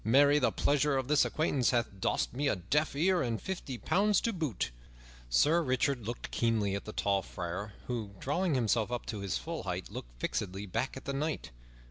Marry, the pleasure of this acquaintance hath dost me a deaf ear and fifty pounds to boot!" Sir Richard looked keenly at the tall friar, who, drawing himself up to his full height, looked fixedly back at the knight.